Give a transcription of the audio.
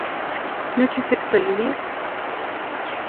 Nochi sequitlatlalia.